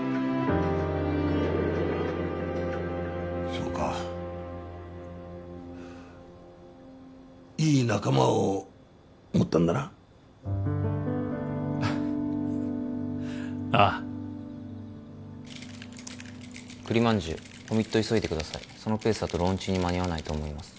そうかいい仲間を持ったんだなああ栗まんじゅうコミット急いでくださいそのペースだとローンチに間に合わないと思います